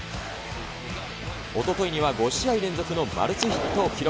おとといには、５試合連続のマルチヒットを記録。